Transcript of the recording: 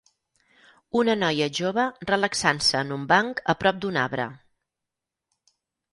Una noia jove relaxant-se en un banc a prop d'un arbre.